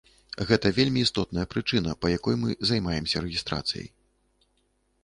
Гэта вельмі істотная прычына, па якой мы займаемся рэгістрацыяй.